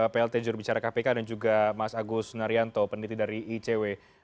plt jurubicara kpk dan juga mas agus narianto peneliti dari icw